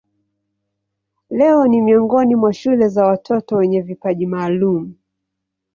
Leo ni miongoni mwa shule za watoto wenye vipaji maalumu.